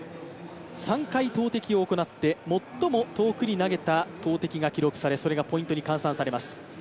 ３回投てきを行って最も遠くに投げた投てきが記録されそれがポイントに換算されます。